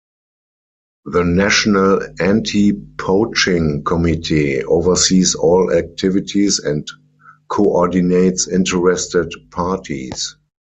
The national anti-poaching committee oversees all activities and coordinates interested parties.